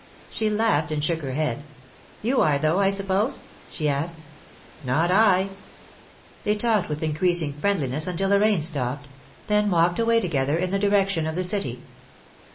She laughed, and shook her head. "You are, though, I suppose?" she asked. "Not I!" They talked with increasing friendliness until the rain stopped, then walked away together in the direction of the City.